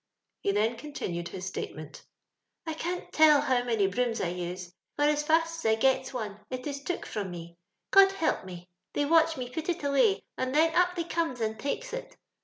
He then continued his statement, —" I can't tell how many brooms I use ; for as fast as I gets one, it is took from me. God help me I They watch me put it away, and then up they comes and takes it.